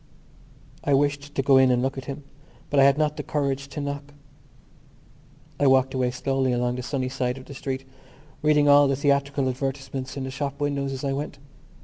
I wished to go in and look at him but I had not the courage to knock. I walked away slowly along the sunny side of the street, reading all the theatrical advertisements in the shop windows as I went.